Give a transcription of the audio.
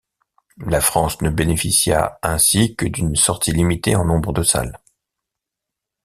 La France ne bénéficia ainsi que d'une sortie limitée en nombre de salles.